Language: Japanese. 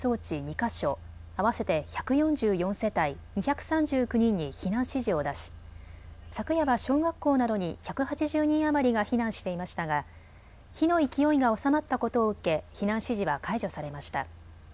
か所合わせて１４４世帯２３９人に避難指示を出し昨夜は小学校などに１８０人余りが避難していましたが火の勢いが収まったことを受け避難指示は解除されました。